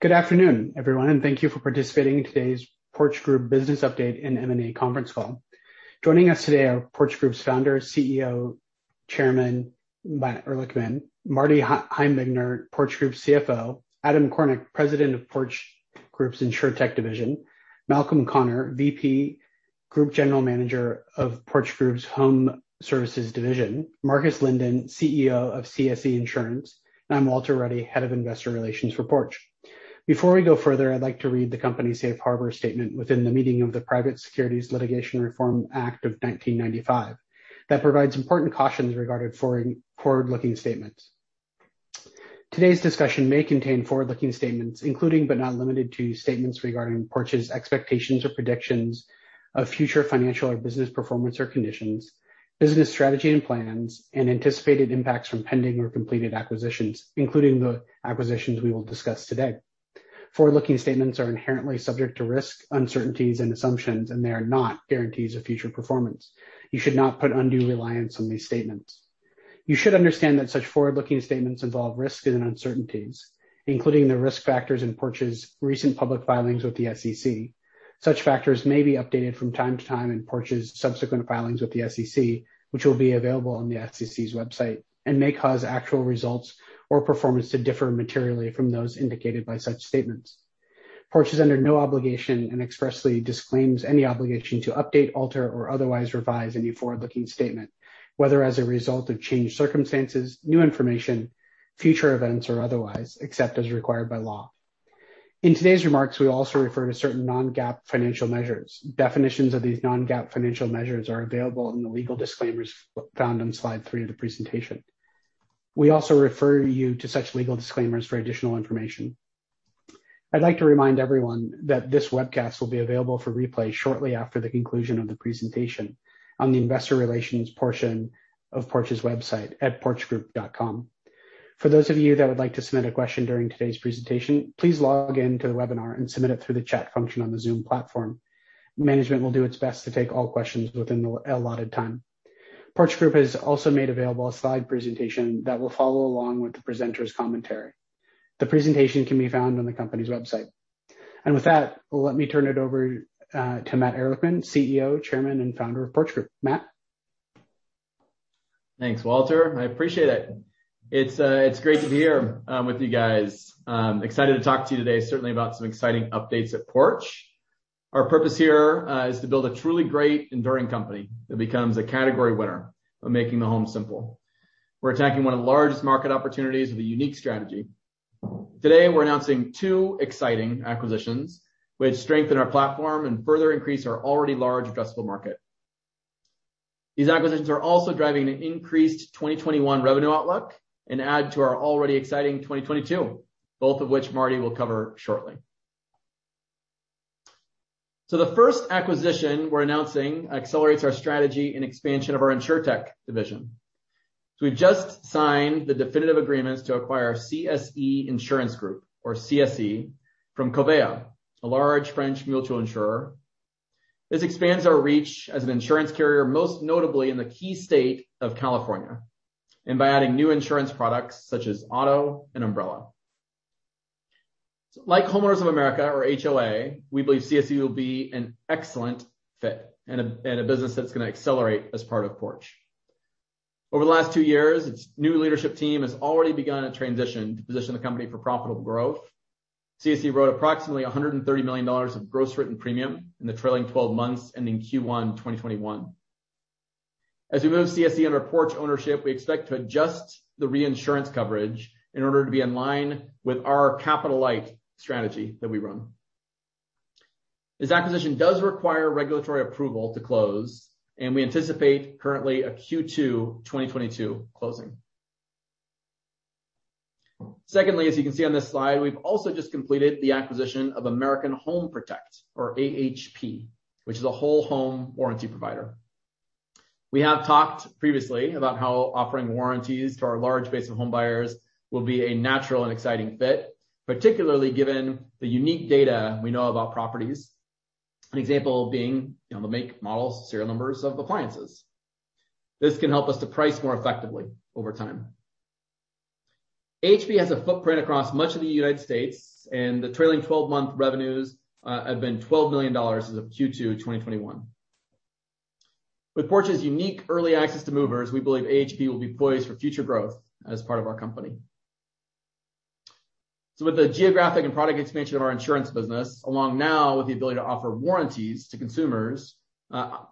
Good afternoon, everyone, and thank you for participating in today's Porch Group business update and M&A conference call. Joining us today are Porch Group's Founder, CEO, Chairman, Matt Ehrlichman, Marty Heimbigner, Porch Group CFO, Adam Kornick, President of Porch Group's Insurtech division, Malcolm Conner, VP Group General Manager of Porch Group's Home Services division, Marcus Linden, CEO of CSE Insurance, and I'm Walter Ruddy, Head of Investor Relations for Porch. Before we go further, I'd like to read the company safe harbor statement within the meaning of the Private Securities Litigation Reform Act of 1995, that provides important cautions regarding forward-looking statements. Today's discussion may contain forward-looking statements, including but not limited to statements regarding Porch's expectations or predictions of future financial or business performance or conditions, business strategy and plans, and anticipated impacts from pending or completed acquisitions, including the acquisitions we will discuss today. Forward-looking statements are inherently subject to risks, uncertainties, and assumptions, and they are not guarantees of future performance. You should not put undue reliance on these statements. You should understand that such forward-looking statements involve risks and uncertainties, including the risk factors in Porch's recent public filings with the SEC. Such factors may be updated from time to time in Porch's subsequent filings with the SEC, which will be available on the SEC's website, and may cause actual results or performance to differ materially from those indicated by such statements. Porch is under no obligation and expressly disclaims any obligation to update, alter, or otherwise revise any forward-looking statement, whether as a result of changed circumstances, new information, future events, or otherwise, except as required by law. In today's remarks, we will also refer to certain non-GAAP financial measures. Definitions of these non-GAAP financial measures are available in the legal disclaimers found on slide three of the presentation. We also refer you to such legal disclaimers for additional information. I'd like to remind everyone that this webcast will be available for replay shortly after the conclusion of the presentation on the investor relations portion of Porch Group's website at porchgroup.com. For those of you that would like to submit a question during today's presentation, please log in to the webinar and submit it through the chat function on the Zoom platform. Management will do its best to take all questions within the allotted time. Porch Group has also made available a slide presentation that will follow along with the presenters' commentary. The presentation can be found on the company's website. With that, let me turn it over to Matt Ehrlichman, CEO, Chairman, and founder of Porch Group. Matt? Thanks, Walter. I appreciate it. It's great to be here with you guys. Excited to talk to you today certainly about some exciting updates at Porch. Our purpose here is to build a truly great enduring company that becomes a category winner of making the home simple. We're attacking one of the largest market opportunities with a unique strategy. Today, we're announcing two exciting acquisitions which strengthen our platform and further increase our already large addressable market. These acquisitions are also driving an increased 2021 revenue outlook and add to our already exciting 2022, both of which Marty will cover shortly. The first acquisition we're announcing accelerates our strategy and expansion of our Insurtech division. We've just signed the definitive agreements to acquire CSE Insurance Group, or CSE, from Covéa, a large French mutual insurer. This expands our reach as an insurance carrier, most notably in the key state of California, and by adding new insurance products such as auto and umbrella. Like Homeowners of America or HOA, we believe CSE will be an excellent fit and a business that's going to accelerate as part of Porch. Over the last two years, its new leadership team has already begun a transition to position the company for profitable growth. CSE wrote approximately $130 million of gross written premium in the trailing 12 months ending Q1 2021. As we move CSE under Porch ownership, we expect to adjust the reinsurance coverage in order to be in line with our capital-light strategy that we run. This acquisition does require regulatory approval to close, and we anticipate currently a Q2 2022 closing. Secondly, as you can see on this slide, we've also just completed the acquisition of American Home Protect, or AHP, which is a whole home warranty provider. We have talked previously about how offering warranties to our large base of home buyers will be a natural and exciting fit, particularly given the unique data we know about properties, an example being the make, models, serial numbers of appliances. This can help us to price more effectively over time. AHP has a footprint across much of the U.S., and the trailing 12-month revenues have been $12 million as of Q2 2021. With Porch's unique early access to movers, we believe AHP will be poised for future growth as part of our company. With the geographic and product expansion of our insurance business, along now with the ability to offer warranties to consumers,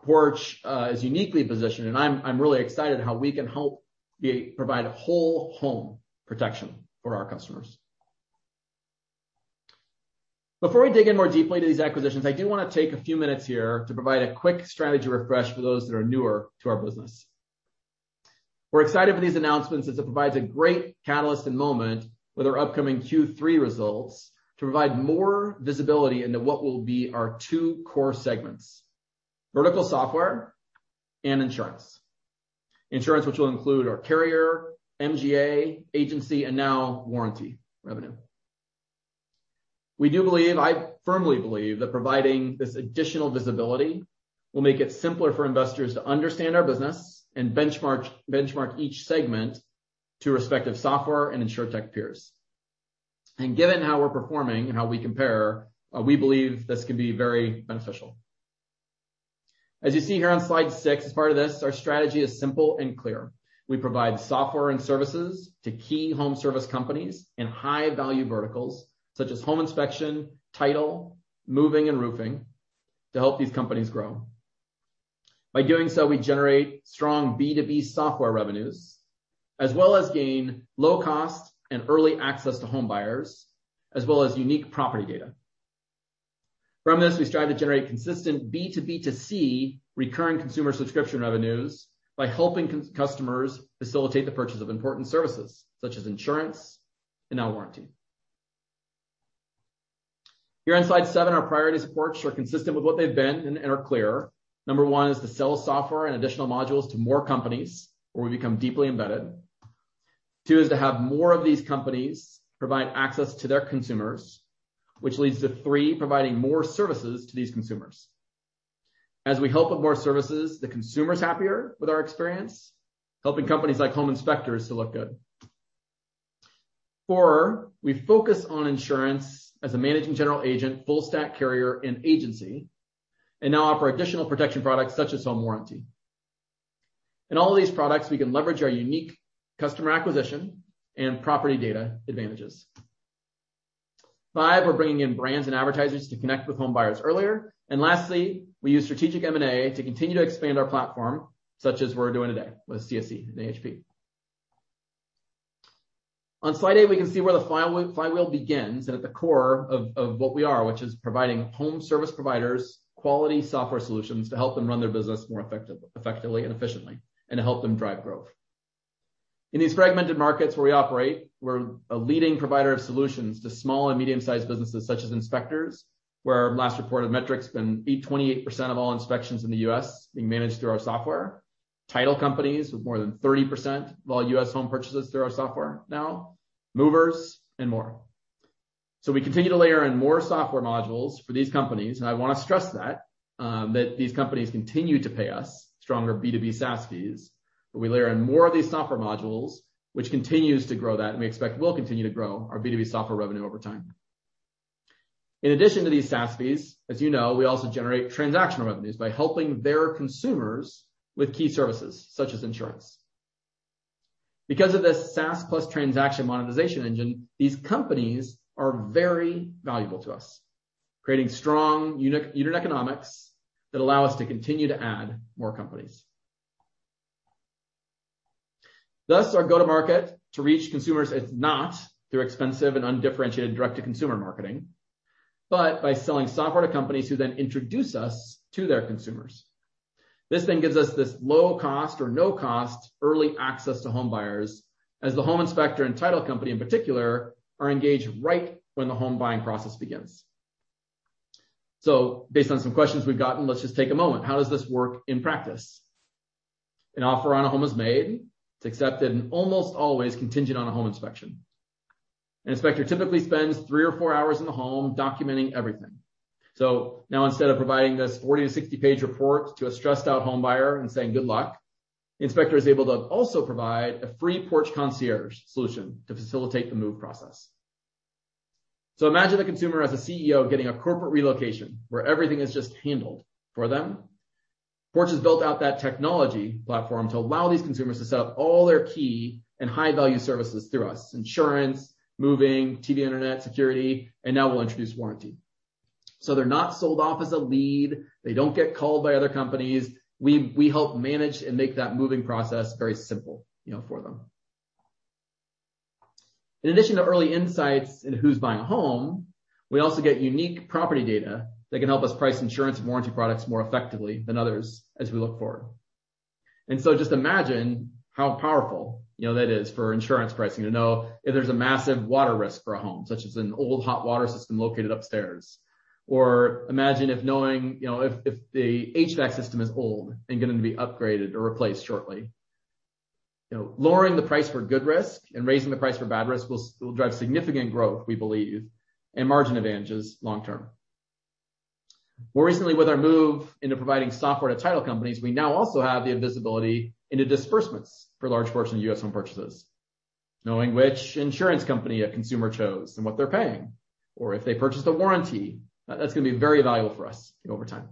Porch is uniquely positioned, and I'm really excited how we can help provide whole-home protection for our customers. Before we dig in more deeply to these acquisitions, I do want to take a few minutes here to provide a quick strategy refresh for those that are newer to our business. We're excited for these announcements as it provides a great catalyst and moment with our upcoming Q3 results to provide more visibility into what will be our two core segments, vertical software and insurance. Insurance, which will include our carrier, MGA, agency, and now warranty revenue. We do believe, I firmly believe, that providing this additional visibility will make it simpler for investors to understand our business and benchmark each segment to respective software and Insurtech peers. Given how we're performing and how we compare, we believe this can be very beneficial. As you see here on slide six, as part of this, our strategy is simple and clear. We provide software and services to key home service companies in high-value verticals such as home inspection, title, moving, and roofing to help these companies grow. By doing so, we generate strong B2B software revenues, as well as gain low cost and early access to home buyers, as well as unique property data. From this, we strive to generate consistent B2B2C recurring consumer subscription revenues by helping customers facilitate the purchase of important services such as insurance and now warranty. Here on slide seven, our priority supports are consistent with what they've been and are clear. Number one, is to sell software and additional modules to more companies where we become deeply embedded. Two, is to have more of these companies provide access to their consumers, which leads to three, providing more services to these consumers. As we help with more services, the consumer's happier with our experience, helping companies like home inspectors to look good. Four, we focus on insurance as a managing general agent, full stack carrier, and agency, and now offer additional protection products such as home warranty. In all of these products, we can leverage our unique customer acquisition and property data advantages. Five, we're bringing in brands and advertisers to connect with home buyers earlier. Lastly, we use strategic M&A to continue to expand our platform, such as we're doing today with CSE and AHP. On slide 8, we can see where the flywheel begins, and at the core of what we are, which is providing home service providers quality software solutions to help them run their business more effectively and efficiently, and to help them drive growth. In these fragmented markets where we operate, we're a leading provider of solutions to small and medium-sized businesses such as inspectors, where our last reported metric's been 28% of all inspections in the U.S. being managed through our software, title companies with more than 30% of all U.S. home purchases through our software now, movers, and more. We continue to layer in more software modules for these companies, and I want to stress that these companies continue to pay us stronger B2B SaaS fees. We layer in more of these software modules, which continues to grow that, and we expect will continue to grow our B2B software revenue over time. In addition to these SaaS fees, as you know, we also generate transactional revenues by helping their consumers with key services such as insurance. Because of this SaaS plus transaction monetization engine, these companies are very valuable to us, creating strong unit economics that allow us to continue to add more companies. Thus, our go-to-market to reach consumers is not through expensive and undifferentiated direct-to-consumer marketing, but by selling software to companies who then introduce us to their consumers. This then gives us this low cost or no cost early access to home buyers as the home inspector and title company in particular are engaged right when the home buying process begins. Based on some questions we've gotten, let's just take a moment. How does this work in practice? An offer on a home is made. It's accepted and almost always contingent on a home inspection. An inspector typically spends three or four hours in the home documenting everything. Now instead of providing this 40 to 60-page report to a stressed-out home buyer and saying, "Good luck," the inspector is able to also provide a free Porch Concierge solution to facilitate the move process. Imagine the consumer as a CEO getting a corporate relocation where everything is just handled for them. Porch has built out that technology platform to allow these consumers to set up all their key and high-value services through us, insurance, moving, TV Internet, security, and now we'll introduce warranty. They're not sold off as a lead. They don't get called by other companies. We help manage and make that moving process very simple for them. In addition to early insights into who's buying a home, we also get unique property data that can help us price insurance and warranty products more effectively than others as we look forward. Just imagine how powerful that is for insurance pricing to know if there's a massive water risk for a home, such as an old hot water system located upstairs. Imagine if knowing if the HVAC system is old and going to be upgraded or replaced shortly. Lowering the price for good risk and raising the price for bad risk will drive significant growth, we believe, and margin advantages long term. More recently, with our move into providing software to title companies, we now also have the visibility into disbursements for a large portion of U.S. home purchases, knowing which insurance company a consumer chose and what they're paying, or if they purchased a warranty. That's going to be very valuable for us over time.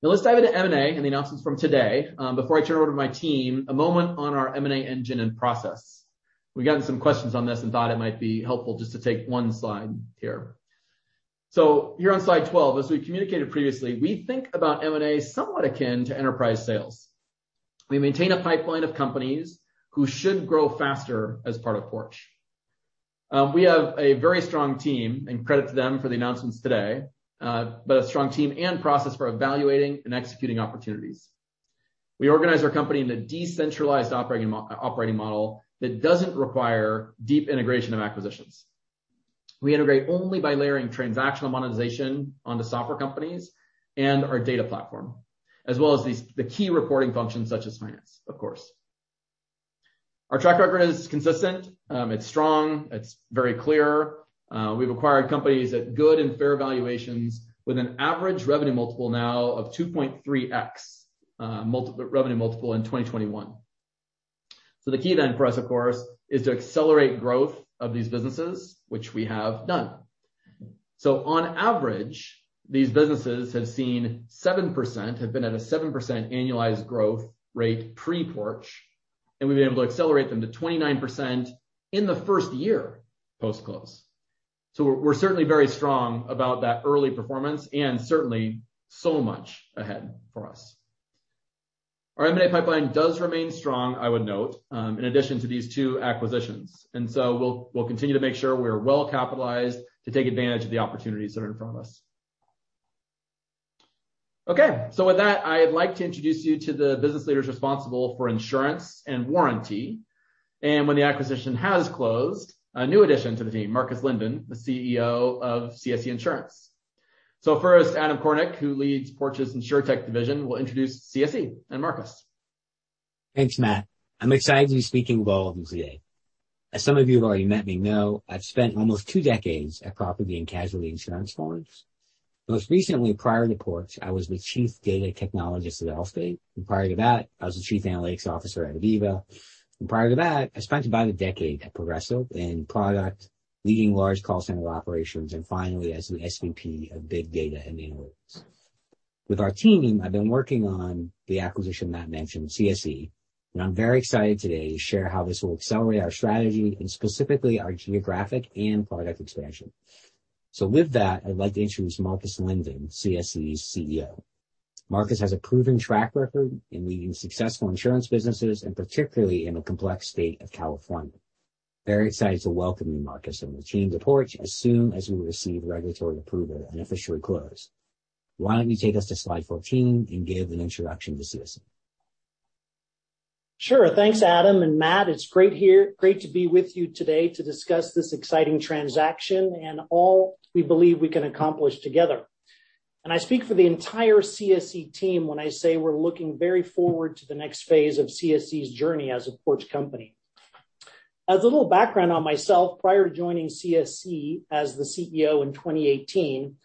Let's dive into M&A and the announcements from today. Before I turn it over to my team, a moment on our M&A engine and process. We've gotten some questions on this and thought it might be helpful just to take one slide here. Here on slide 12, as we communicated previously, we think about M&A somewhat akin to enterprise sales. We maintain a pipeline of companies who should grow faster as part of Porch. We have a very strong team, and credit to them for the announcements today, but a strong team and process for evaluating and executing opportunities. We organize our company in a decentralized operating model that doesn't require deep integration of acquisitions. We integrate only by layering transactional monetization onto software companies and our data platform, as well as the key reporting functions such as finance, of course. Our track record is consistent, it's strong, it's very clear. We've acquired companies at good and fair valuations with an average revenue multiple now of 2.3x revenue multiple in 2021. The key for us, of course, is to accelerate growth of these businesses, which we have done. On average, these businesses have been at a 7% annualized growth rate pre-Porch, and we've been able to accelerate them to 29% in the first year post-close. We're certainly very strong about that early performance and certainly so much ahead for us. Our M&A pipeline does remain strong, I would note, in addition to these two acquisitions. We'll continue to make sure we're well-capitalized to take advantage of the opportunities that are in front of us. Okay. With that, I'd like to introduce you to the business leaders responsible for insurance and warranty, and when the acquisition has closed, a new addition to the team, Marcus Linden, the CEO of CSE Insurance. First, Adam Kornick, who leads Porch's Insurtech division, will introduce CSE and Marcus. Thanks, Matt. I'm excited to be speaking with all of you today. As some of you who've already met me know, I've spent almost two decades at property and casualty insurance firms. Most recently, prior to Porch, I was the Chief Data Technologist at Allstate. Prior to that, I was the Chief Analytics Officer at Aviva. Prior to that, I spent about a decade at Progressive in product, leading large call center operations, and finally as the SVP of big data and analytics. With our team, I've been working on the acquisition Matt mentioned, CSE, and I'm very excited today to share how this will accelerate our strategy and specifically our geographic and product expansion. With that, I'd like to introduce Marcus Linden, CSE's CEO. Marcus has a proven track record in leading successful insurance businesses, and particularly in the complex state of California. Very excited to welcome you, Marcus, and the team to Porch as soon as we receive regulatory approval and officially close. Why don't you take us to slide 14 and give an introduction to CSE? Sure. Thanks, Adam and Matt. It's great to be with you today to discuss this exciting transaction and all we believe we can accomplish together. I speak for the entire CSE team when I say we're looking very forward to the next phase of CSE's journey as a Porch company. As a little background on myself, prior to joining CSE as the CEO in 2018,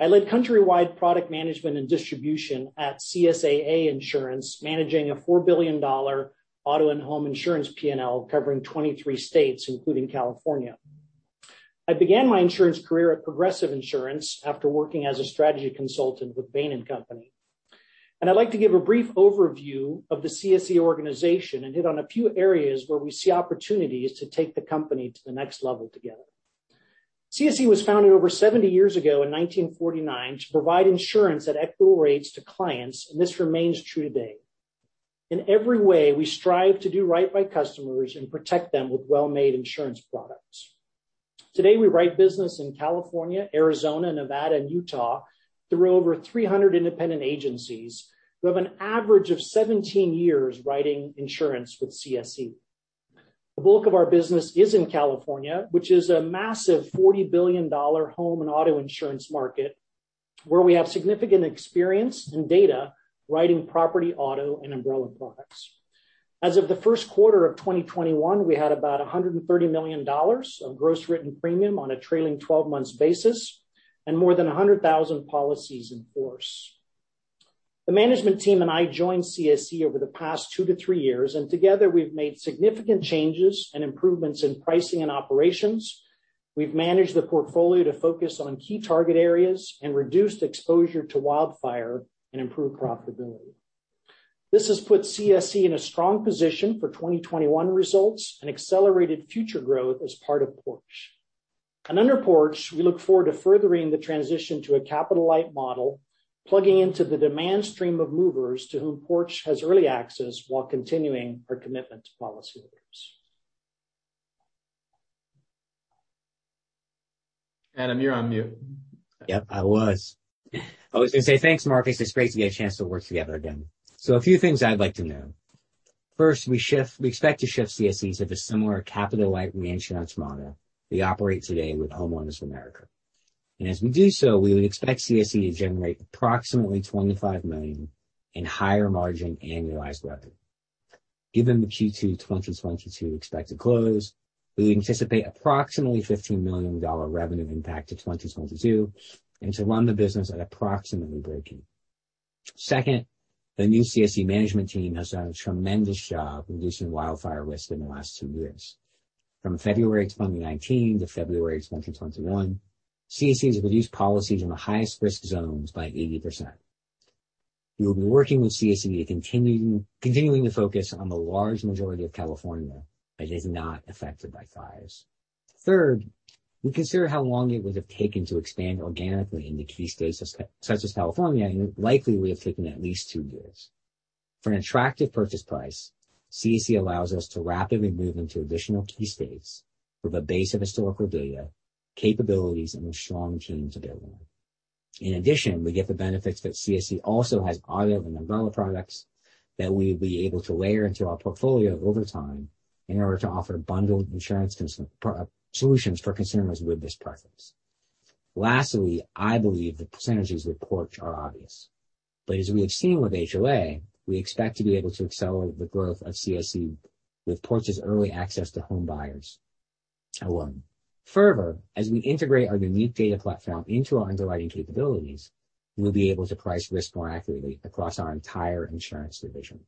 I led countrywide product management and distribution at CSAA Insurance, managing a $4 billion auto and home insurance P&L covering 23 states, including California. I began my insurance career at Progressive Insurance after working as a strategy consultant with Bain & Company. I'd like to give a brief overview of the CSE organization and hit on a few areas where we see opportunities to take the company to the next level together. CSE was founded over 70 years ago in 1949 to provide insurance at equitable rates to clients, and this remains true today. In every way, we strive to do right by customers and protect them with well-made insurance products. Today, we write business in California, Arizona, Nevada, and Utah through over 300 independent agencies who have an average of 17 years writing insurance with CSE. The bulk of our business is in California, which is a massive $40 billion home and auto insurance market, where we have significant experience and data writing property, auto, and umbrella products. As of the first quarter of 2021, we had about $130 million of gross written premium on a trailing 12-months basis and more than 100,000 policies in force. The management team and I joined CSE over the past two to three years, and together we've made significant changes and improvements in pricing and operations. We've managed the portfolio to focus on key target areas and reduced exposure to wildfire and improved profitability. This has put CSE in a strong position for 2021 results and accelerated future growth as part of Porch. Under Porch, we look forward to furthering the transition to a capital-light model, plugging into the demand stream of movers to whom Porch has early access while continuing our commitment to policyholders. Adam, you're on mute. I was going to say, thanks, Marcus. It's great to get a chance to work together again. A few things I'd like to note. First, we expect to shift CSE to the similar capital-light reinsurance model we operate today with Homeowners of America. As we do so, we would expect CSE to generate approximately $25 million in higher margin annualized revenue. Given the Q2 2022 expected close, we anticipate approximately $15 million revenue impact to 2022 and to run the business at approximately breakeven. Second, the new CSE management team has done a tremendous job reducing wildfire risk in the last two years. From February 2019 to February 2021, CSE has reduced policies in the highest risk zones by 80%. We will be working with CSE continuing to focus on the large majority of California that is not affected by fires. Third, we consider how long it would have taken to expand organically into key states such as California, and likely we have taken at least two years. For an attractive purchase price, CSE allows us to rapidly move into additional key states with a base of historical data, capabilities, and a strong team to build on. In addition, we get the benefits that CSE also has auto and umbrella products that we will be able to layer into our portfolio over time in order to offer bundled insurance solutions for consumers with this preference. Lastly, I believe the synergies with Porch are obvious. As we have seen with HOA, we expect to be able to accelerate the growth of CSE with Porch's early access to homebuyers. Further, as we integrate our unique data platform into our underwriting capabilities, we'll be able to price risk more accurately across our entire insurance division.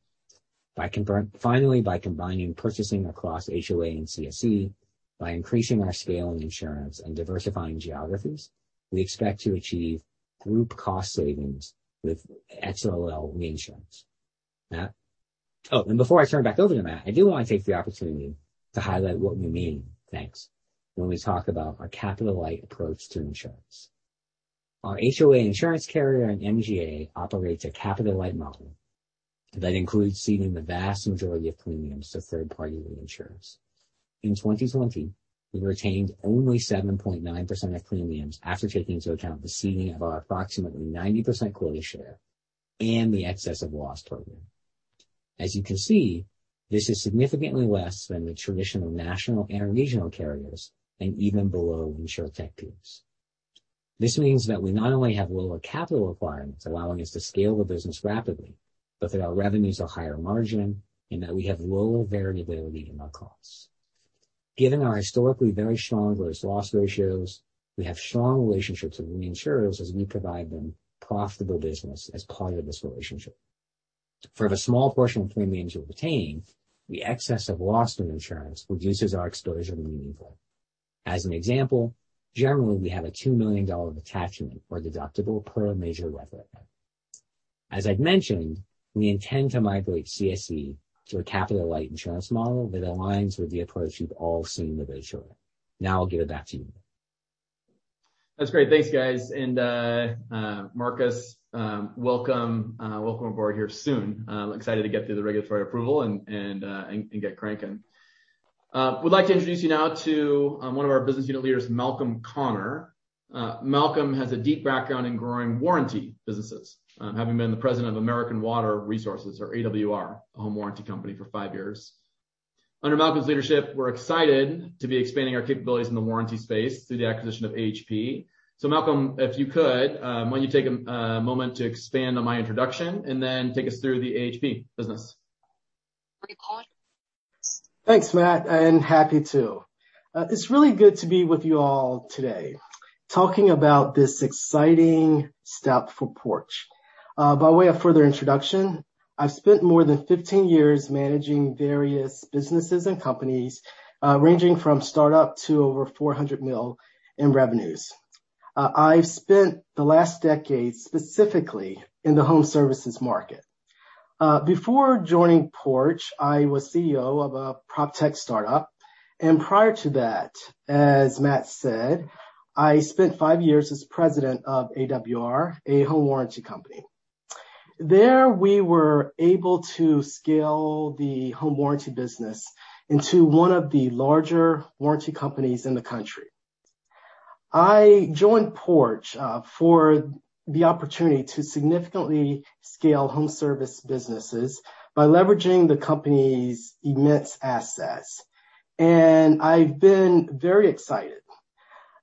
Finally, by combining purchasing across HOA and CSE, by increasing our scale in insurance and diversifying geographies, we expect to achieve group cost savings with XOL reinsurance. Matt? Before I turn it back over to Matt, I do want to take the opportunity to highlight what we mean, thanks, when we talk about our capital-light approach to insurance. Our HOA insurance carrier and MGA operates a capital-light model that includes ceding the vast majority of premiums to third-party reinsurers. In 2020, we retained only 7.9% of premiums after taking into account the ceding of our approximately 90% quota share and the excess of loss program. As you can see, this is significantly less than the traditional national and regional carriers, and even below Insurtech peers. This means that we not only have lower capital requirements, allowing us to scale the business rapidly, but that our revenues are higher margin and that we have lower variability in our costs. Given our historically very strong gross loss ratios, we have strong relationships with reinsurers as we provide them profitable business as part of this relationship. For the small portion of premiums we retain, the excess of loss reinsurance reduces our exposure meaningfully. As an example, generally, we have a $2 million attachment or deductible per major weather event. As I've mentioned, we intend to migrate CSE to a capital-light insurance model that aligns with the approach you've all seen with HOA. Now I'll give it back to you, Matt. That's great. Thanks, guys, and Marcus, welcome on board here soon. I'm excited to get through the regulatory approval and get cranking. I would like to introduce you now to one of our business unit leaders, Malcolm Conner. Malcolm has a deep background in growing warranty businesses, having been the president of American Water Resources or AWR, a home warranty company, for five years. Under Malcolm's leadership, we're excited to be expanding our capabilities in the warranty space through the acquisition of AHP. Malcolm, if you could, why don't you take a moment to expand on my introduction and then take us through the AHP business? Thanks, Matt. Happy to. It's really good to be with you all today talking about this exciting step for Porch. By way of further introduction, I've spent more than 15 years managing various businesses and companies, ranging from startup to over $400 million in revenues. I've spent the last decade specifically in the home services market. Before joining Porch, I was CEO of a proptech startup. Prior to that, as Matt said, I spent five years as President of AWR, a home warranty company. There, we were able to scale the home warranty business into one of the larger warranty companies in the country. I joined Porch for the opportunity to significantly scale home service businesses by leveraging the company's immense assets. I've been very excited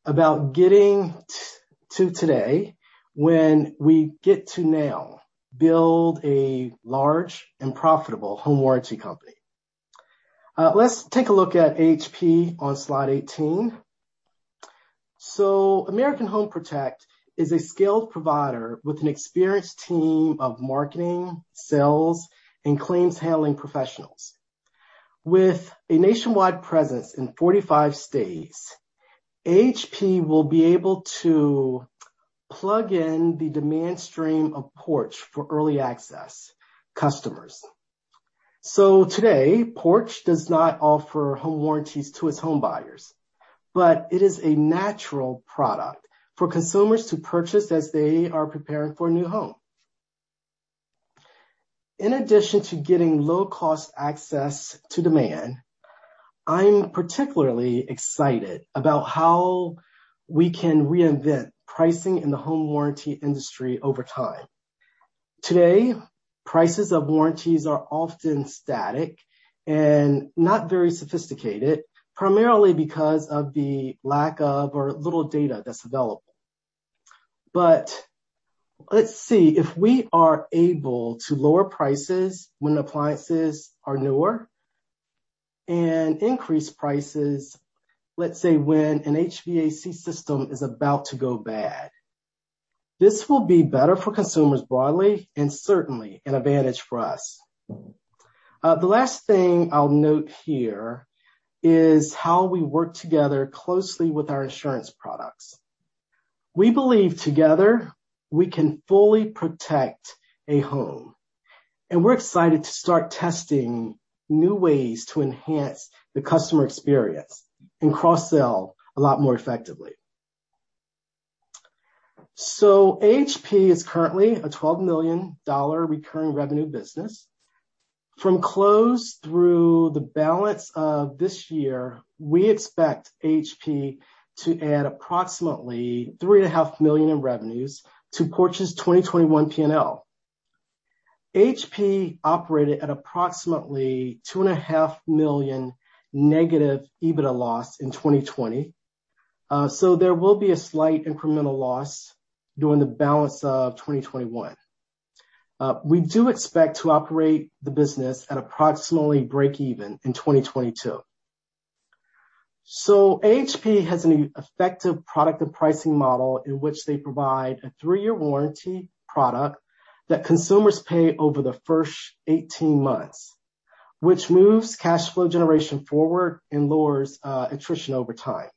about getting to today, when we get to now build a large and profitable home warranty company. Let's take a look at AHP on slide 18. American Home Protect is a skilled provider with an experienced team of marketing, sales, and claims handling professionals. With a nationwide presence in 45 states, AHP will be able to plug in the demand stream of Porch for early access customers. Today, Porch does not offer home warranties to its homebuyers, but it is a natural product for consumers to purchase as they are preparing for a new home. In addition to getting low-cost access to demand, I'm particularly excited about how we can reinvent pricing in the home warranty industry over time. Today, prices of warranties are often static and not very sophisticated, primarily because of the lack of or little data that's available. Let's see if we are able to lower prices when appliances are newer and increase prices, let's say, when an HVAC system is about to go bad. This will be better for consumers broadly and certainly an advantage for us. The last thing I'll note here is how we work together closely with our insurance products. We believe together we can fully protect a home, and we're excited to start testing new ways to enhance the customer experience and cross-sell a lot more effectively. AHP is currently a $12 million recurring revenue business. From close through the balance of this year, we expect AHP to add approximately $3.5 million in revenues to Porch's 2021 P&L. AHP operated at approximately $2.5 million negative EBITDA loss in 2020, so there will be a slight incremental loss during the balance of 2021. We do expect to operate the business at approximately breakeven in 2022. AHP has an effective product and pricing model in which they provide a three-year warranty product that consumers pay over the first 18 months, which moves cash flow generation forward and lowers attrition over time.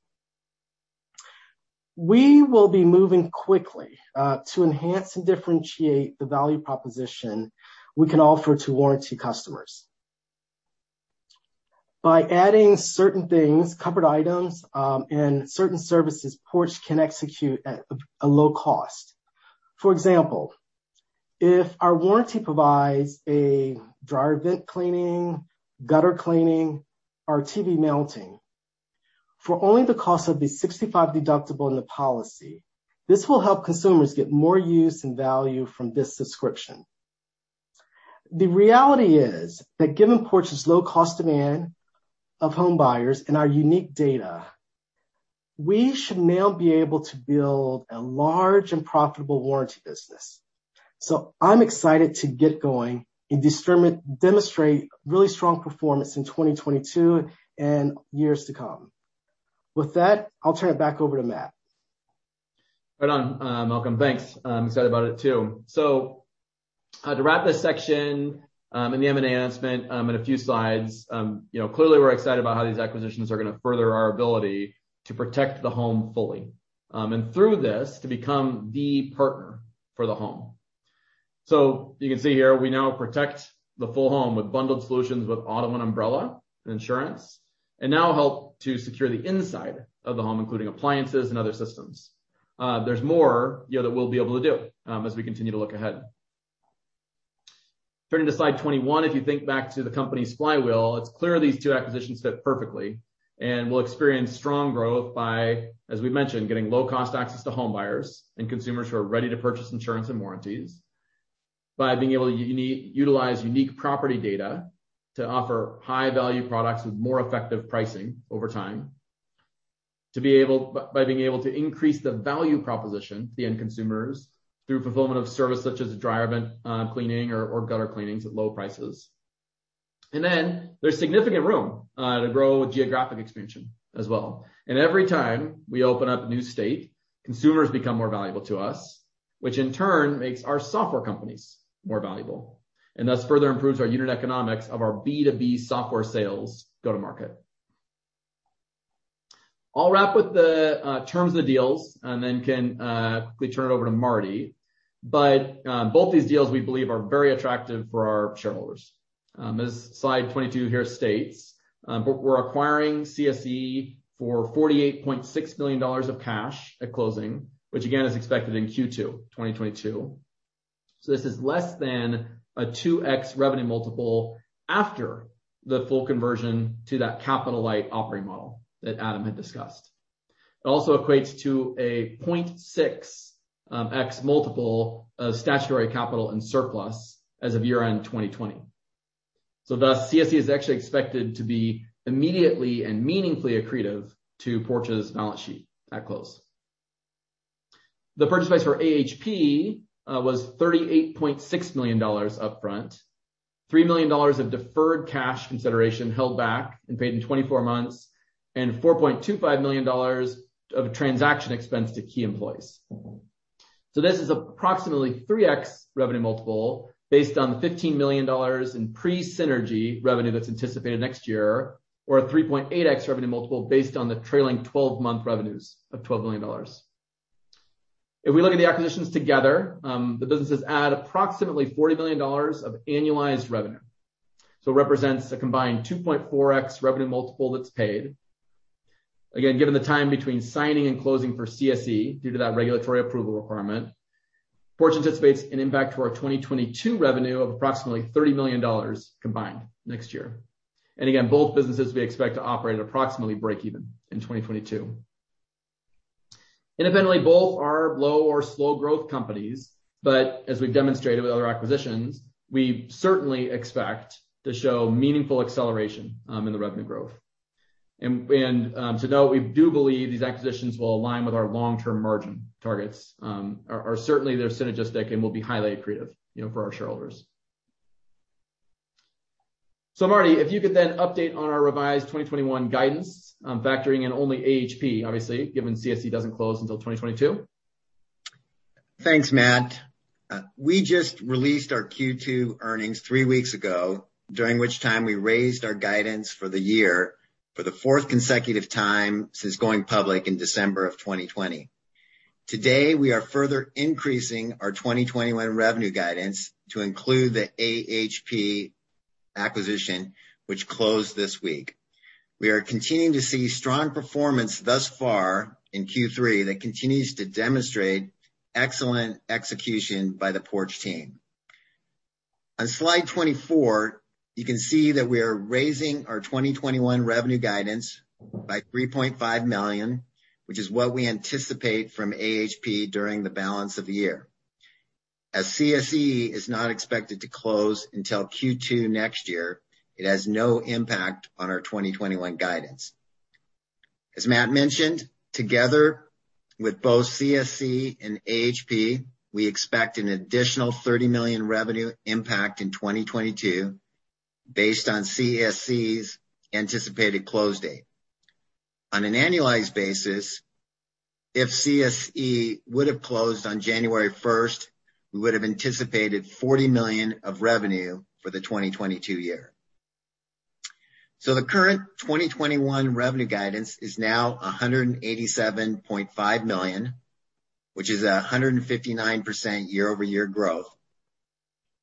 We will be moving quickly to enhance and differentiate the value proposition we can offer to warranty customers. By adding certain things, covered items, and certain services, Porch can execute at a low cost. For example, if our warranty provides a dryer vent cleaning, gutter cleaning, or TV mounting for only the cost of the $65 deductible in the policy, this will help consumers get more use and value from this subscription. The reality is that given Porch's low cost demand of home buyers and our unique data, we should now be able to build a large and profitable warranty business. I'm excited to get going and demonstrate really strong performance in 2022 and years to come. With that, I'll turn it back over to Matt. Right on, Malcolm. Thanks. I'm excited about it too. To wrap this section, and the M&A announcement, in a few slides, clearly we're excited about how these acquisitions are going to further our ability to protect the home fully. Through this, to become the partner for the home. You can see here, we now protect the full home with bundled solutions with auto and umbrella insurance, and now help to secure the inside of the home, including appliances and other systems. There's more that we'll be able to do as we continue to look ahead. Turning to slide 21, if you think back to the company's flywheel, it's clear these two acquisitions fit perfectly and will experience strong growth by, as we mentioned, getting low-cost access to home buyers and consumers who are ready to purchase insurance and warranties, by being able to utilize unique property data to offer high-value products with more effective pricing over time, by being able to increase the value proposition to the end consumers through fulfillment of service such as dryer vent cleaning or gutter cleanings at low prices. There's significant room to grow with geographic expansion as well. Every time we open up a new state, consumers become more valuable to us, which in turn makes our software companies more valuable, and thus further improves our unit economics of our B2B software sales go to market. I'll wrap with the terms of the deals and then can quickly turn it over to Marty. Both these deals, we believe, are very attractive for our shareholders. As slide 22 here states, we're acquiring CSE for $48.6 million of cash at closing, which again, is expected in Q2 2022. This is less than a 2x revenue multiple after the full conversion to that capital-light operating model that Adam had discussed. It also equates to a 0.6x multiple of statutory capital and surplus as of year-end 2020. Thus, CSE is actually expected to be immediately and meaningfully accretive to Porch's balance sheet at close. The purchase price for AHP was $38.6 million upfront, $3 million of deferred cash consideration held back and paid in 24 months, and $4.25 million of transaction expense to key employees. This is approximately 3x revenue multiple based on the $15 million in pre-synergy revenue that is anticipated next year, or a 3.8x revenue multiple based on the trailing 12-month revenues of $12 million. If we look at the acquisitions together, the businesses add approximately $40 million of annualized revenue. It represents a combined 2.4x revenue multiple that is paid. Again, given the time between signing and closing for CSE, due to that regulatory approval requirement, Porch anticipates an impact to our 2022 revenue of approximately $30 million combined next year. Again, both businesses we expect to operate approximately breakeven in 2022. Independently, both are low or slow growth companies, but as we have demonstrated with other acquisitions, we certainly expect to show meaningful acceleration in the revenue growth. To note, we do believe these acquisitions will align with our long-term margin targets, or certainly they're synergistic and will be highly accretive for our shareholders. Marty, if you could then update on our revised 2021 guidance, factoring in only AHP, obviously, given CSE doesn't close until 2022. Thanks, Matt. We just released our Q2 earnings three weeks ago, during which time we raised our guidance for the year for the fourth consecutive time since going public in December of 2020. Today, we are further increasing our 2021 revenue guidance to include the AHP acquisition, which closed this week. We are continuing to see strong performance thus far in Q3 that continues to demonstrate excellent execution by the Porch team. On slide 24, you can see that we are raising our 2021 revenue guidance by $3.5 million, which is what we anticipate from AHP during the balance of the year. As CSE is not expected to close until Q2 next year, it has no impact on our 2021 guidance. As Matt mentioned, together with both CSE and AHP, we expect an additional $30 million revenue impact in 2022, based on CSE's anticipated close date. On an annualized basis, if CSE would have closed on January 1st, we would have anticipated $40 million of revenue for the 2022 year. The current 2021 revenue guidance is now $187.5 million, which is 159% year-over-year growth.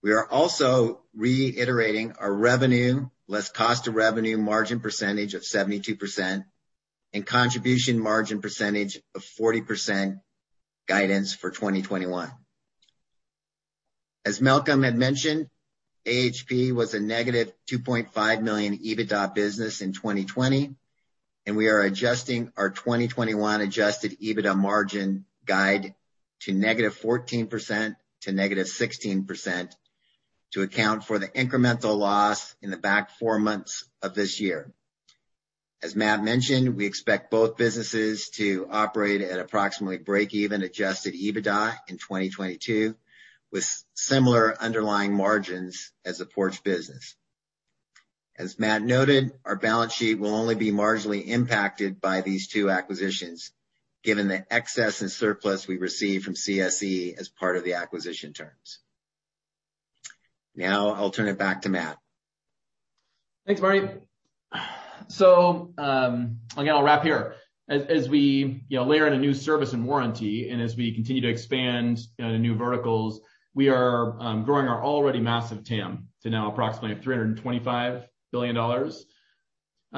We are also reiterating our revenue, less cost of revenue margin percentage of 72% and contribution margin percentage of 40% guidance for 2021. As Malcolm had mentioned, AHP was a negative $2.5 million EBITDA business in 2020, and we are adjusting our 2021 adjusted EBITDA margin guide to -14% to -16% to account for the incremental loss in the back four months of this year. As Matt mentioned, we expect both businesses to operate at approximately breakeven adjusted EBITDA in 2022, with similar underlying margins as the Porch business. As Matt noted, our balance sheet will only be marginally impacted by these two acquisitions, given the excess and surplus we received from CSE as part of the acquisition terms. Now, I'll turn it back to Matt. Thanks, Marty. Again, I'll wrap here. As we layer in a new service and warranty, and as we continue to expand into new verticals, we are growing our already massive TAM to now approximately $325 billion.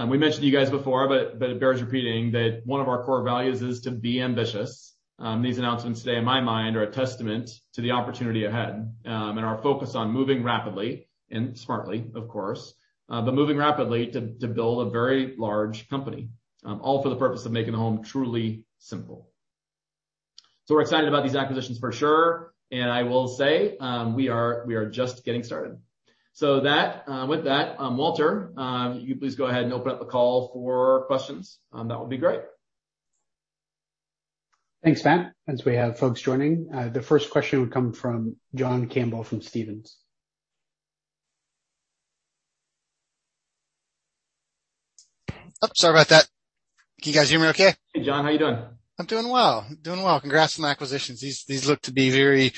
We mentioned to you guys before, but it bears repeating, that one of our core values is to be ambitious. These announcements today, in my mind, are a testament to the opportunity ahead, and our focus on moving rapidly and smartly, of course. Moving rapidly to build a very large company, all for the purpose of making the home truly simple. We're excited about these acquisitions for sure, and I will say we are just getting started. With that, Walter, you please go ahead and open up the call for questions. That would be great. Thanks, Matt. As we have folks joining, the first question would come from John Campbell from Stephens. Oh, sorry about that. Can you guys hear me okay? Hey, John. How you doing? I'm doing well. Congrats on the acquisitions. These look to be very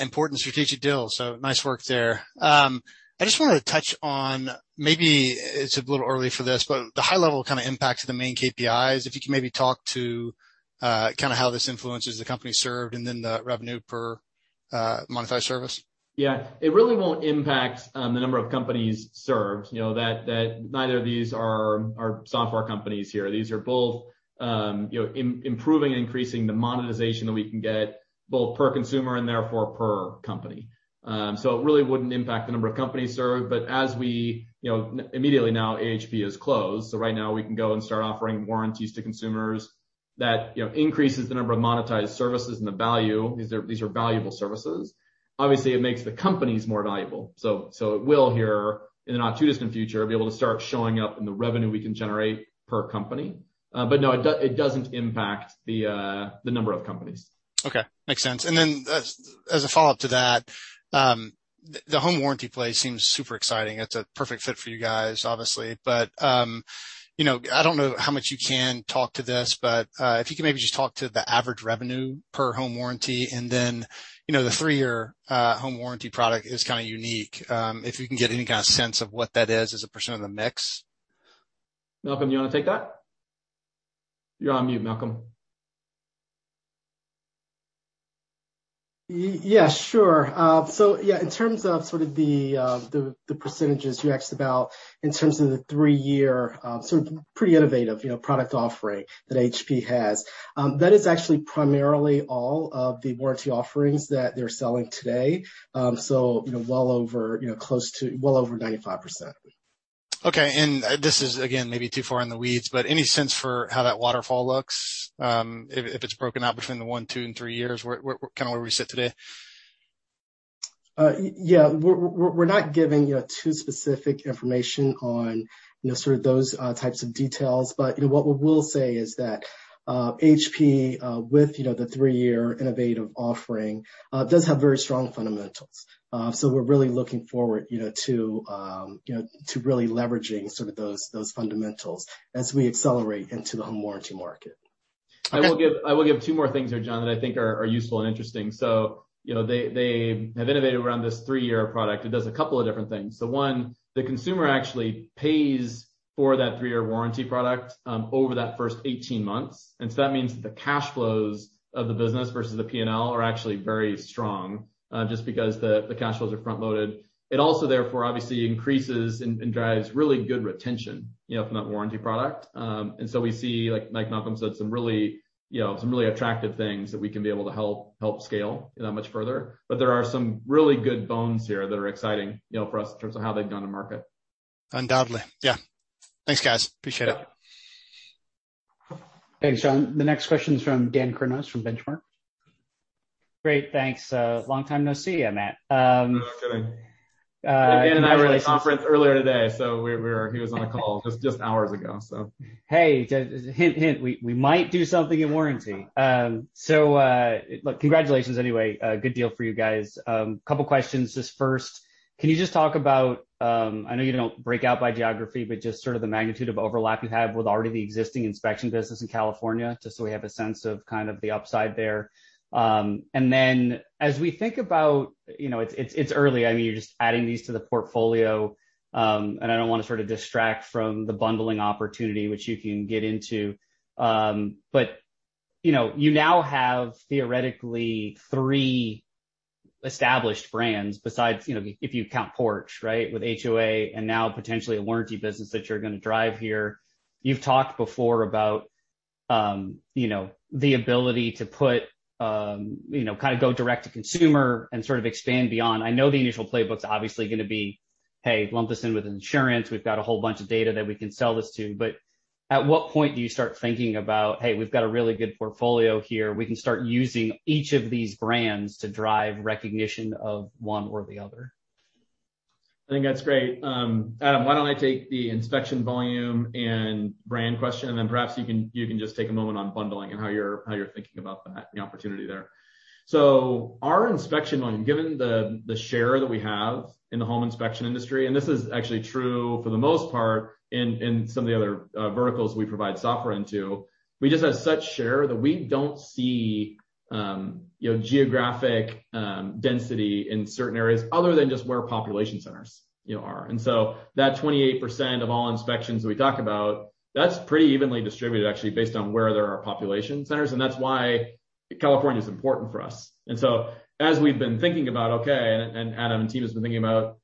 important strategic deals, nice work there. I just wanted to touch on, maybe it's a little early for this, but the high-level impact to the main KPIs, if you can maybe talk to how this influences the company served, and then the revenue per monetized service. Yeah. It really won't impact the number of companies served. Neither of these are software companies here. These are both improving and increasing the monetization that we can get, both per consumer, and therefore per company. It really wouldn't impact the number of companies served, but immediately now AHP is closed, so right now we can go and start offering warranties to consumers. That increases the number of monetized services and the value. These are valuable services. Obviously, it makes the companies more valuable. It will, here in the not-too-distant future, be able to start showing up in the revenue we can generate per company. No, it doesn't impact the number of companies. Okay. Makes sense. As a follow-up to that, the home warranty play seems super exciting. It's a perfect fit for you guys, obviously. I don't know how much you can talk to this, but if you could maybe just talk to the average revenue per home warranty, and then the three-year home warranty product is kind of unique. If you can get any kind of sense of what that is as a % of the mix. Malcolm, you want to take that? You're on mute, Malcolm. Yeah, sure. In terms of the percentages you asked about, in terms of the three-year, pretty innovative product offering that AHP has. That is actually primarily all of the warranty offerings that they're selling today. Well over 95%. Okay. This is, again, maybe too far in the weeds, but any sense for how that waterfall looks? If it's broken out between the one, two, and three years, where we sit today? Yeah. We're not giving too specific information on those types of details. What we will say is that AHP with the three-year innovative offering, does have very strong fundamentals. We're really looking forward to really leveraging those fundamentals as we accelerate into the home warranty market. I will give two more things here, John, that I think are useful and interesting. They have innovated around this three-year product. It does a couple of different things. One, the consumer actually pays for that three-year warranty product over that first 18 months. That means that the cash flows of the business versus the P&L are actually very strong, just because the cash flows are front-loaded. It also therefore obviously increases and drives really good retention from that warranty product. We see, like Malcolm Conner said, some really attractive things that we can be able to help scale that much further. There are some really good bones here that are exciting for us in terms of how they've gone to market. Undoubtedly, yeah. Thanks, guys. Appreciate it. Thanks, John. The next question is from Dan Kurnos from Benchmark. Great, thanks. Long time no see you, Matt. No kidding. Not really. Dan and I were in a conference earlier today, so he was on a call just hours ago. Hey, hint, we might do something in warranty. Look, congratulations anyway. Good deal for you guys. Couple questions. Just first, can you just talk about, I know you don't break out by geography, but just sort of the magnitude of overlap you have with already the existing inspection business in California, just so we have a sense of kind of the upside there. As we think about It's early, you're just adding these to the portfolio. I don't want to sort of distract from the bundling opportunity, which you can get into. You now have theoretically three established brands besides, if you count Porch, right? With HOA and now potentially a warranty business that you're going to drive here. You've talked before about the ability to kind of go direct-to-consumer and sort of expand beyond. I know the initial playbook's obviously going to be, "Hey, lump this in with insurance. We've got a whole bunch of data that we can sell this to." But at what point do you start thinking about, "Hey, we've got a really good portfolio here. We can start using each of these brands to drive recognition of one or the other?" I think that's great. Adam, why don't I take the inspection volume and brand question, then perhaps you can just take a moment on bundling and how you're thinking about the opportunity there. Our inspection volume, given the share that we have in the home inspection industry, and this is actually true for the most part in some of the other verticals we provide software into. We just have such share that we don't see geographic density in certain areas other than just where population centers are. That 28% of all inspections we talk about, that's pretty evenly distributed, actually, based on where there are population centers, and that's why California is important for us. As we've been thinking about, okay, and Adam and team has been thinking about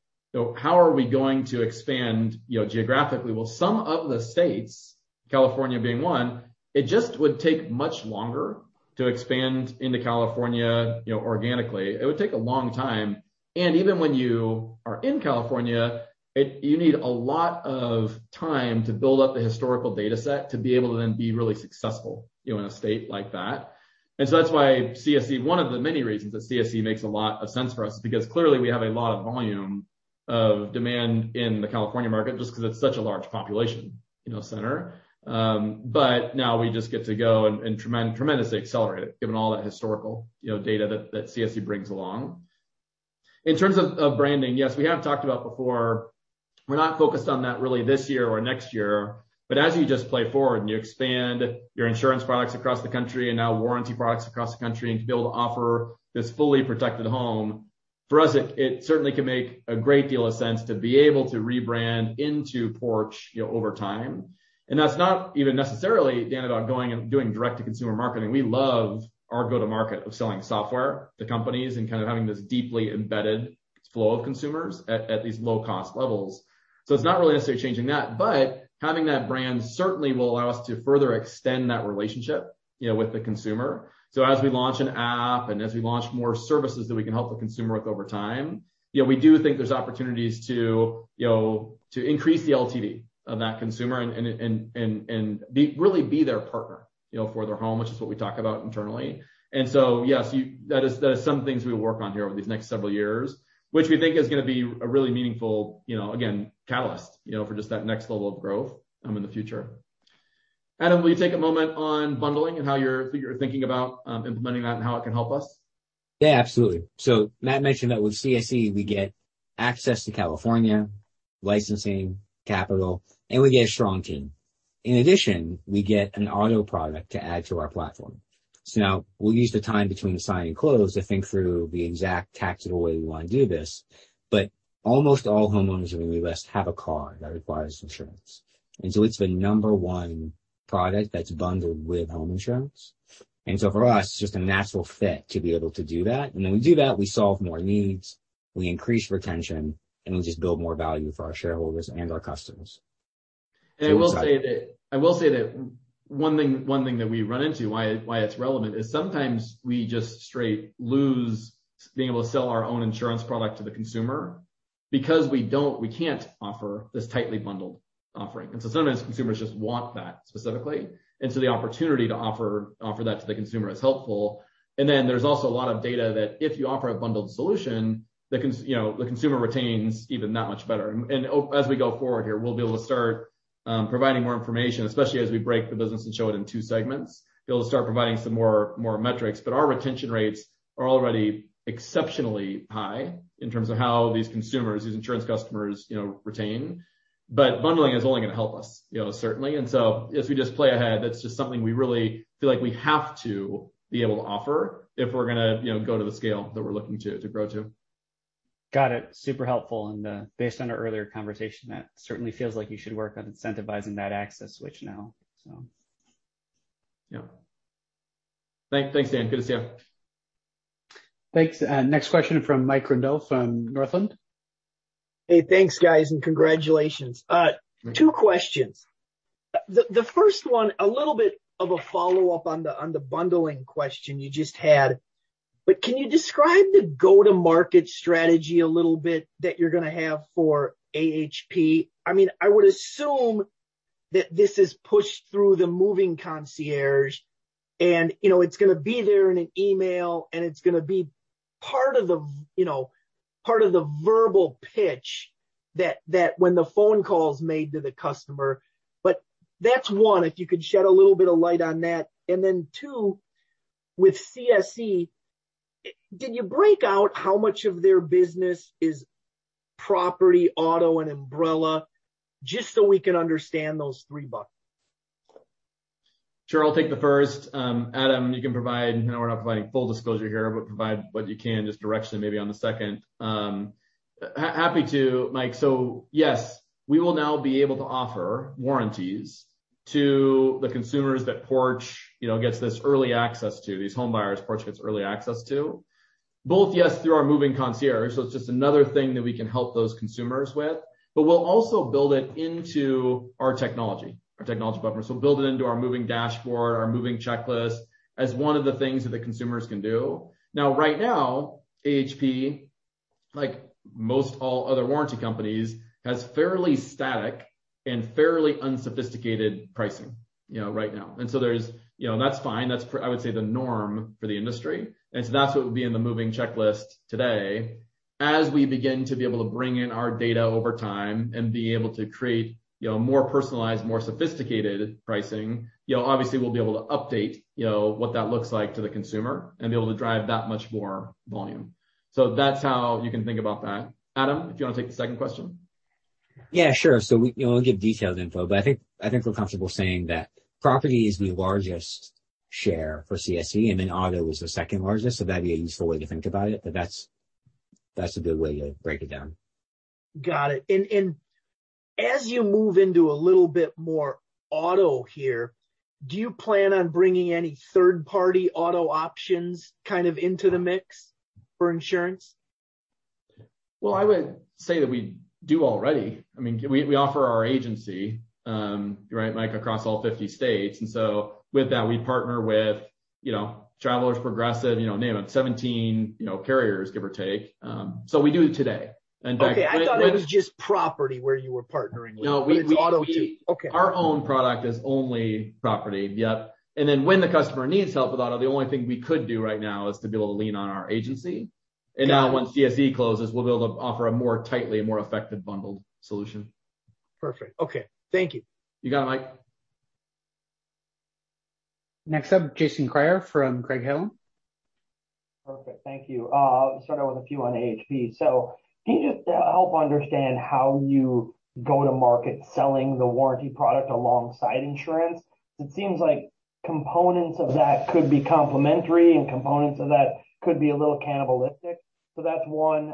how are we going to expand geographically? Well, some of the states, California being one, it just would take much longer to expand into California organically. It would take a long time. Even when you are in California, you need a lot of time to build up the historical data set to be able to then be really successful in a state like that. That's one of the many reasons that CSE makes a lot of sense for us, because clearly we have a lot of volume of demand in the California market just because it's such a large population center. Now we just get to go and tremendously accelerate it, given all that historical data that CSE brings along. In terms of branding, yes, we have talked about before, we're not focused on that really this year or next year. As you just play forward and you expand your insurance products across the country and now warranty products across the country and to be able to offer this fully protected home, for us, it certainly can make a great deal of sense to be able to rebrand into Porch over time. That's not even necessarily, Dan, about going and doing direct-to-consumer marketing. We love our go-to-market of selling software to companies and kind of having this deeply embedded flow of consumers at these low-cost levels. It's not really necessarily changing that, but having that brand certainly will allow us to further extend that relationship with the consumer. As we launch an app and as we launch more services that we can help the consumer with over time, we do think there's opportunities to increase the LTV of that consumer and really be their partner for their home, which is what we talk about internally. Yes, that is some things we work on here over these next several years, which we think is going to be a really meaningful, again, catalyst for just that next level of growth in the future. Adam, will you take a moment on bundling and how you're thinking about implementing that and how it can help us? Absolutely. Matt mentioned that with CSE, we get access to California, licensing, capital, and we get a strong team. In addition, we get an auto product to add to our platform. Now we'll use the time between the sign and close to think through the exact tactical way we want to do this. Almost all homeowners that we list have a car that requires insurance, and so it's the number one product that's bundled with home insurance. For us, it's just a natural fit to be able to do that. When we do that, we solve more needs, we increase retention, and we just build more value for our shareholders and our customers. I will say that one thing that we run into, why it's relevant, is sometimes we just straight lose being able to sell our own insurance product to the consumer because we can't offer this tightly bundled offering. Sometimes consumers just want that specifically, and so the opportunity to offer that to the consumer is helpful. There's also a lot of data that if you offer a bundled solution, the consumer retains even that much better. As we go forward here, we'll be able to start providing more information, especially as we break the business and show it in two segments. Be able to start providing some more metrics. Our retention rates are already exceptionally high in terms of how these consumers, these insurance customers retain. Bundling is only going to help us certainly. As we just play ahead, that's just something we really feel like we have to be able to offer if we're going to go to the scale that we're looking to grow to. Got it. Super helpful. Based on our earlier conversation, that certainly feels like you should work on incentivizing that access switch now. Yeah. Thanks, Dan. Good to see you. Thanks. Next question from [Mike Grondahl] from Northland. Hey, thanks, guys, and congratulations. Two questions. The first one, a little bit of a follow-up on the bundling question you just had. Can you describe the go-to-market strategy a little bit that you're going to have for AHP? I would assume that this is pushed through the Porch Concierge and it's going to be there in an email, and it's going to be part of the verbal pitch that when the phone call is made to the customer. That's one, if you could shed a little bit of light on that. Two, with CSE, did you break out how much of their business is property, auto, and umbrella, just so we can understand those three buckets? Sure. I'll take the first. Adam, you can provide, I know we're not providing full disclosure here, but provide what you can, just directionally maybe on the second. Happy to, Mike. Yes, we will now be able to offer warranties to the consumers that Porch gets this early access to, these home buyers Porch gets early access to. Both, yes, through our Porch Concierge, so it's just another thing that we can help those consumers with, but we'll also build it into our technology, our technology partners. We'll build it into our moving dashboard, our moving checklist, as one of the things that the consumers can do. Now, right now, AHP, like most all other warranty companies, has fairly static and fairly unsophisticated pricing right now. That's fine. That's, I would say, the norm for the industry, that's what would be in the moving checklist today. As we begin to be able to bring in our data over time and be able to create more personalized, more sophisticated pricing, obviously we'll be able to update what that looks like to the consumer and be able to drive that much more volume. That's how you can think about that. Adam, do you want to take the second question? Yeah, sure. We won't give detailed info, but I think we're comfortable saying that property is the largest share for CSE, and then auto is the second largest. That'd be a useful way to think about it. That's a good way to break it down. Got it. As you move into a little bit more auto here, do you plan on bringing any third-party auto options into the mix for insurance? Well, I would say that we do already. We offer our agency, right Mike, across all 50 states. With that, we partner with Travelers, Progressive, name it, 17 carriers, give or take. We do it today. Okay. I thought it was just property where you were partnering with- No. ...with auto too. Okay. Our own product is only property. Yep. When the customer needs help with auto, the only thing we could do right now is to be able to lean on our agency. Now once CSE closes, we'll be able to offer a more tightly, more effective bundled solution. Perfect. Okay. Thank you. You got it, Mike. Next up, Jason Kreyer from Craig-Hallum. Perfect. Thank you. I'll start out with a few on AHP. Can you just help understand how you go to market selling the warranty product alongside insurance? Because it seems like components of that could be complementary and components of that could be a little cannibalistic. That's one.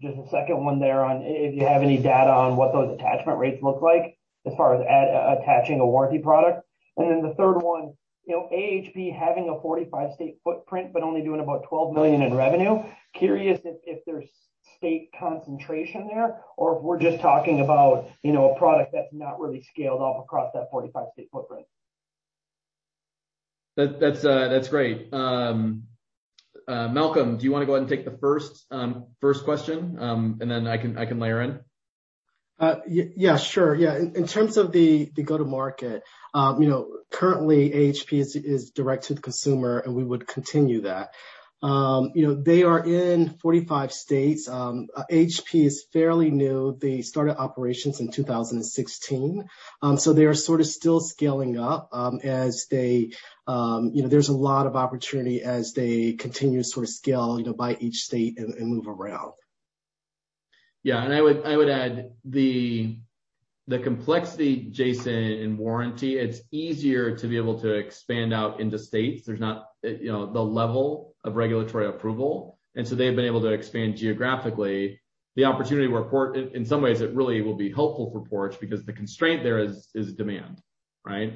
Just a second one there on if you have any data on what those attachment rates look like as far as attaching a warranty product. The third one, AHP having a 45-state footprint but only doing about $12 million in revenue, curious if there's state concentration there, or if we're just talking about a product that's not really scaled up across that 45-state footprint. That's great. Malcolm, do you want to go ahead and take the first question, and then I can layer in? Yeah, sure. In terms of the go-to-market, currently AHP is direct to the consumer. We would continue that. They are in 45 states. AHP is fairly new. They started operations in 2016. They are sort of still scaling up. There's a lot of opportunity as they continue to scale by each state and move around. I would add the complexity, Jason, in warranty, it's easier to be able to expand out into states. There's not the level of regulatory approval, they've been able to expand geographically. The opportunity where Porch, in some ways, it really will be helpful for Porch because the constraint there is demand, right?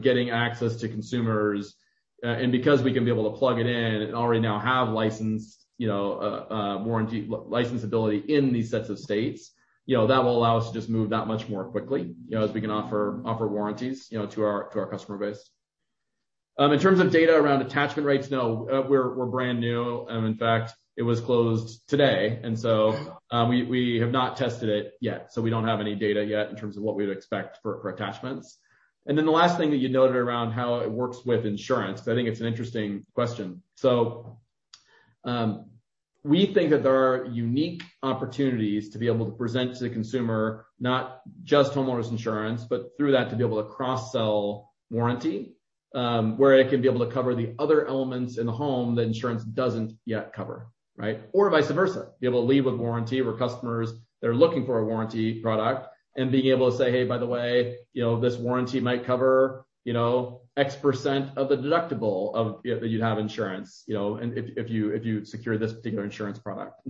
Getting access to consumers, we can be able to plug it in and already now have licensability in these sets of states, that will allow us to just move that much more quickly, as we can offer warranties to our customer base. In terms of data around attachment rates, no. We're brand new. In fact, it was closed today, we have not tested it yet. We don't have any data yet in terms of what we'd expect for attachments. The last thing that you noted around how it works with insurance, because I think it's an interesting question. We think that there are unique opportunities to be able to present to the consumer, not just homeowners insurance, but through that, to be able to cross-sell warranty, where it can be able to cover the other elements in the home that insurance doesn't yet cover, right? Vice versa, be able to lead with warranty where customers that are looking for a warranty product and being able to say, "Hey, by the way, this warranty might cover X% of the deductible if you have insurance, and if you secure this particular insurance product."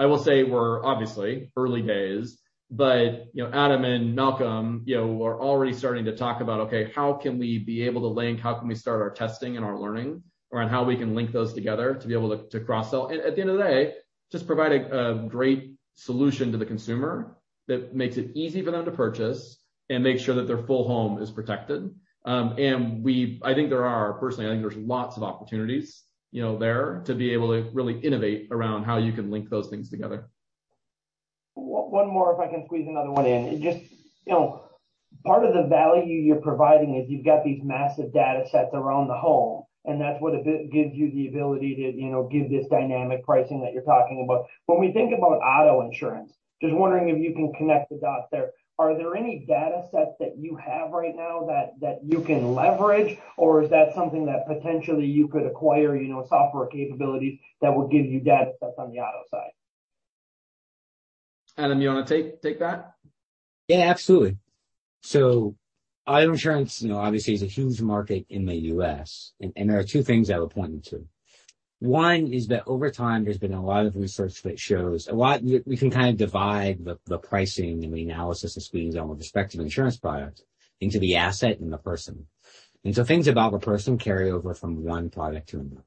I will say we're obviously early days, but Adam and Malcolm are already starting to talk about, okay, how can we be able to link, how can we start our testing and our learning around how we can link those together to be able to cross-sell. At the end of the day, just provide a great solution to the consumer. That makes it easy for them to purchase and makes sure that their full home is protected. Personally, I think there's lots of opportunities there to be able to really innovate around how you can link those things together. One more, if I can squeeze another one in. Part of the value you're providing is you've got these massive data sets around the home, and that's what gives you the ability to give this dynamic pricing that you're talking about. When we think about auto insurance, just wondering if you can connect the dots there. Are there any data sets that you have right now that you can leverage, or is that something that potentially you could acquire, software capabilities that will give you data sets on the auto side? Adam, you want to take that? Yeah, absolutely. Auto insurance, obviously, is a huge market in the U.S., and there are two things I would point to. One is that over time, there's been a lot of research that shows we can kind of divide the pricing and the analysis that's being done with respective insurance products into the asset and the person. Things about the person carry over from one product to another.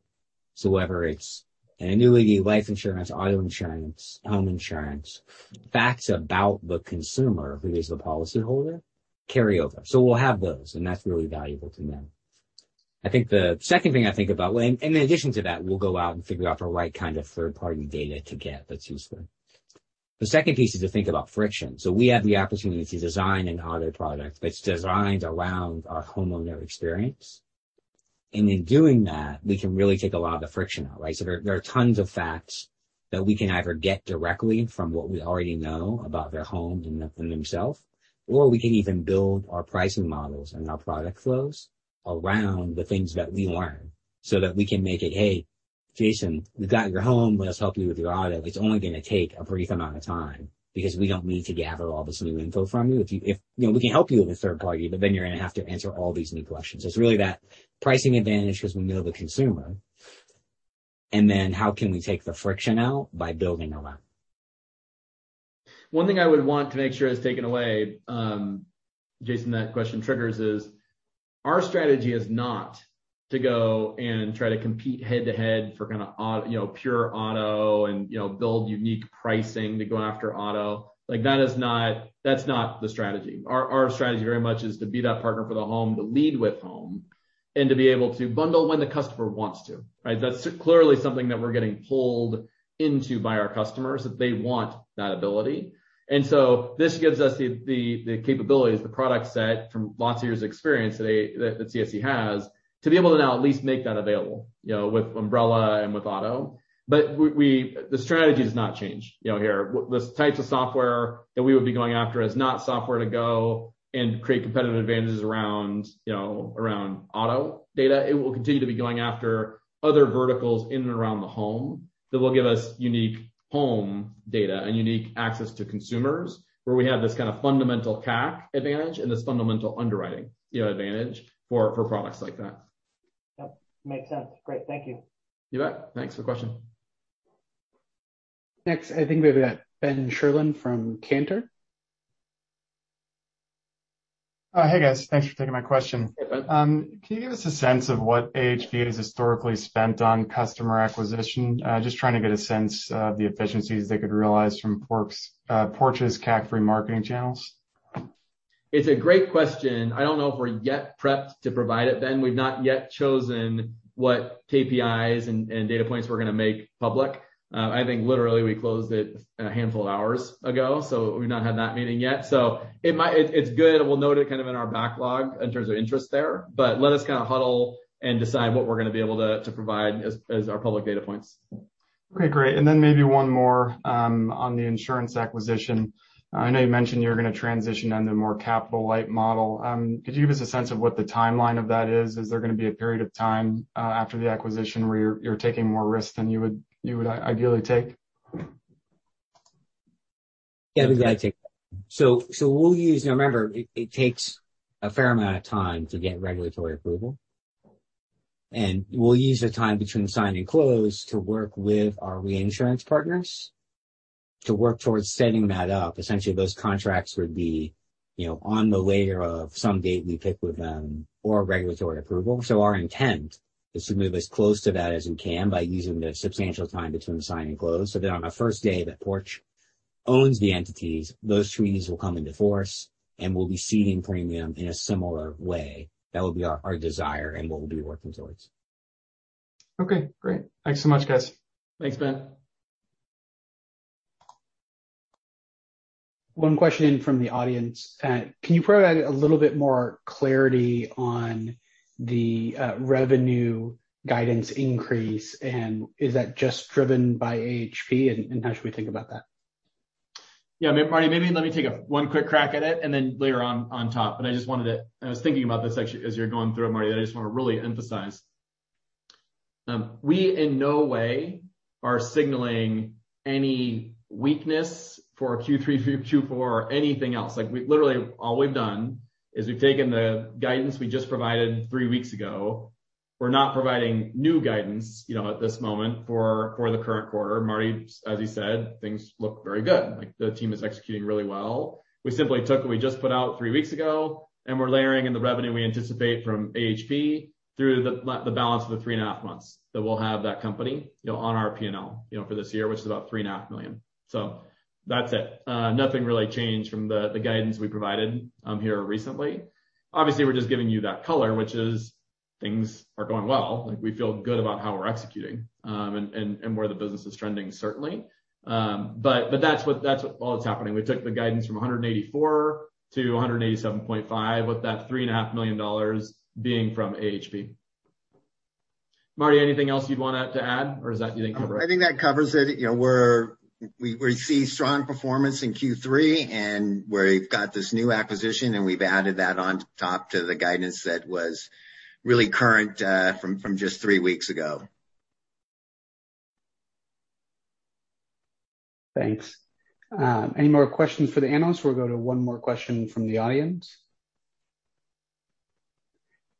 Whether it's annuity, life insurance, auto insurance, home insurance, facts about the consumer who is the policyholder carry over. We'll have those, and that's really valuable to know. In addition to that, we'll go out and figure out the right kind of third-party data to get that's useful. The second piece is to think about friction. We have the opportunity to design an auto product that's designed around our homeowner experience. In doing that, we can really take a lot of the friction out. There are tons of facts that we can either get directly from what we already know about their home and themself, or we can even build our pricing models and our product flows around the things that we learn so that we can make it, "Hey, Jason, we've got your home. Let us help you with your auto. It's only going to take a brief amount of time because we don't need to gather all this new info from you. We can help you with a third party, but then you're going to have to answer all these new questions." It's really that pricing advantage because we know the consumer, and then how can we take the friction out by building around. One thing I would want to make sure is taken away, Jason, that question triggers is our strategy is not to go and try to compete head to head for pure auto and build unique pricing to go after auto. That's not the strategy. Our strategy very much is to be that partner for the home, to lead with home, and to be able to bundle when the customer wants to. That's clearly something that we're getting pulled into by our customers, that they want that ability. This gives us the capabilities, the product set from lots of years of experience that CSE has to be able to now at least make that available, with umbrella and with auto. The strategy does not change here. The types of software that we would be going after is not software to go and create competitive advantages around auto data. It will continue to be going after other verticals in and around the home that will give us unique home data and unique access to consumers, where we have this kind of fundamental CAC advantage and this fundamental underwriting advantage for products like that. Yep, makes sense. Great. Thank you. You bet. Thanks for the question. Next, I think we've got Ben Sherlund from Cantor. Hey, guys. Thanks for taking my question. Hey, Ben. Can you give us a sense of what AHP has historically spent on customer acquisition? Just trying to get a sense of the efficiencies they could realize from Porch's CAC-free marketing channels. It's a great question. I don't know if we're yet prepped to provide it, Ben. We've not yet chosen what KPIs and data points we're going to make public. I think literally we closed it a handful of hours ago, we've not had that meeting yet. It's good, and we'll note it kind of in our backlog in terms of interest there. Let us huddle and decide what we're going to be able to provide as our public data points. Okay, great. Maybe one more on the insurance acquisition. I know you mentioned you're going to transition on the more capital-light model. Could you give us a sense of what the timeline of that is? Is there going to be a period of time after the acquisition where you're taking more risk than you would ideally take? Yeah. I'll take that. Remember, it takes a fair amount of time to get regulatory approval, and we'll use the time between sign and close to work with our reinsurance partners to work towards setting that up. Essentially, those contracts would be on the later of some date we pick with them or regulatory approval. Our intent is to move as close to that as we can by using the substantial time between sign and close, so that on the first day that Porch owns the entities, those treaties will come into force, and we'll be ceding premium in a similar way. That would be our desire and what we'll be working towards. Okay, great. Thanks so much, guys. Thanks, Ben. One question from the audience. Can you provide a little bit more clarity on the revenue guidance increase, and is that just driven by AHP, and how should we think about that? Yeah. Marty, maybe let me take one quick crack at it, and then layer on top. I was thinking about this actually as you were going through it, Marty, that I just want to really emphasize. We in no way are signaling any weakness for Q3-Q4, or anything else. Literally, all we've done is we've taken the guidance we just provided three weeks ago. We're not providing new guidance at this moment for the current quarter. Marty, as you said, things look very good. The team is executing really well. We simply took what we just put out three weeks ago, and we're layering in the revenue we anticipate from AHP through the balance of the three and a half months that we'll have that company on our P&L for this year, which is about $3.5 million. That's it. Nothing really changed from the guidance we provided here recently. Obviously, we're just giving you that color, which is things are going well. We feel good about how we're executing, and where the business is trending, certainly. That's all that's happening. We took the guidance from $184 million-$187.5 million, with that $3.5 million being from AHP. Marty, anything else you'd want to add, or does that do you think cover it? I think that covers it. We see strong performance in Q3, and we've got this new acquisition, and we've added that on top to the guidance that was really current from just three weeks ago. Thanks. Any more questions for the analysts? We'll go to one more question from the audience.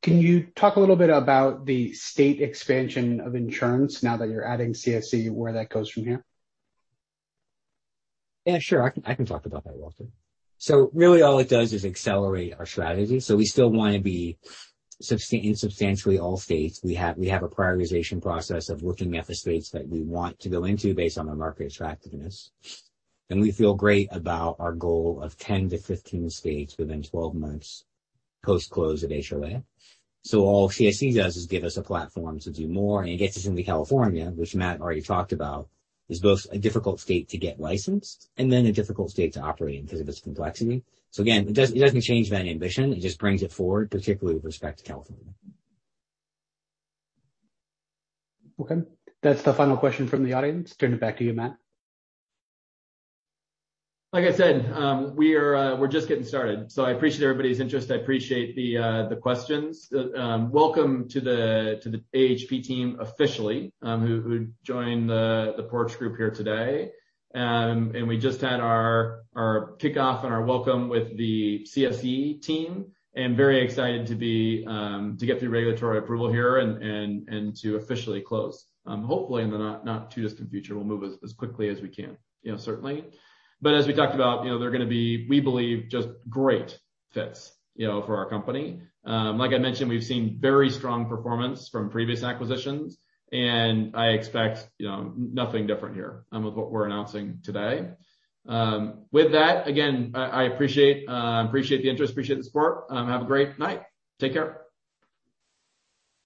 Can you talk a little bit about the state expansion of insurance now that you're adding CSE, where that goes from here? Yeah, sure. I can talk about that, Walter. Really all it does is accelerate our strategy. We still want to be in substantially all states. We have a prioritization process of looking at the states that we want to go into based on their market attractiveness. We feel great about our goal of 10-15 states within 12 months post-close of HOA. All CSE does is give us a platform to do more, and it gets us into California, which Matt already talked about, is both a difficult state to get licensed and then a difficult state to operate in because of its complexity. Again, it doesn't change that ambition. It just brings it forward, particularly with respect to California. Okay. That's the final question from the audience. Turn it back to you, Matt. Like I said, we're just getting started. I appreciate everybody's interest. I appreciate the questions. Welcome to the AHP team officially, who joined the Porch Group here today. We just had our kickoff and our welcome with the CSE team, and very excited to get the regulatory approval here and to officially close. Hopefully, in the not too distant future, we'll move as quickly as we can, certainly. As we talked about, they're going to be, we believe, just great fits for our company. Like I mentioned, we've seen very strong performance from previous acquisitions, and I expect nothing different here with what we're announcing today. With that, again, I appreciate the interest, appreciate the support. Have a great night. Take care.